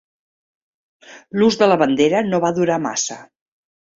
L'ús de la bandera no va durar massa.